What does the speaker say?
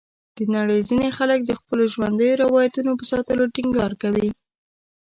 د نړۍ ځینې خلک د خپلو ژوندیو روایتونو په ساتلو ټینګار کوي.